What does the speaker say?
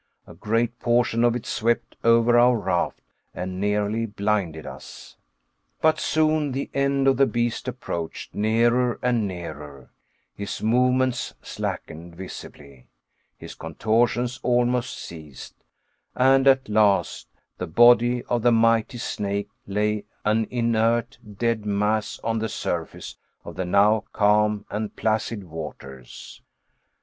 A great portion of it swept over our raft and nearly blinded us. But soon the end of the beast approached nearer and nearer; his movements slackened visibly; his contortions almost ceased; and at last the body of the mighty snake lay an inert, dead mass on the surface of the now calm and placid waters.